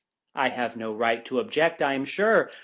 I have no right to object, I am sure.